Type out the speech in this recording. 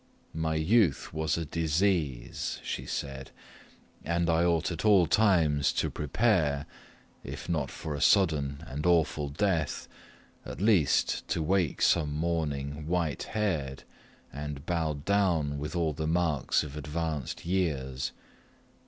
My youth was a disease, she said, and I ought at all times to prepare, if not for a sudden and awful death, at least to awake some morning white headed, and bowed down with all the marks of advanced years.